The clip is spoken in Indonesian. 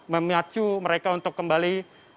memacu mereka untuk kembali